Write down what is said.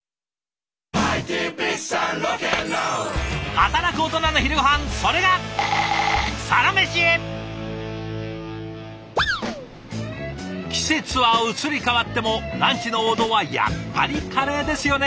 働くオトナの昼ごはんそれが季節は移り変わってもランチの王道はやっぱりカレーですよね。